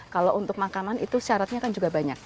kalau untuk makanan itu syaratnya kan juga banyak